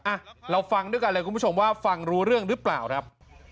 อ่ะเราฟังด้วยกันเลยคุณผู้ชมว่าฟังรู้เรื่องหรือเปล่าครับ